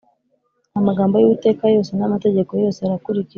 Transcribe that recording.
amagambo y uwiteka yose n amategeko ye yose arakurikizwa